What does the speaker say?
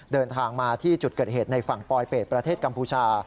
เดินทางมาที่จุดเกิดเหตุในฝั่งปลอยเป็ดประเทศกัมพูชา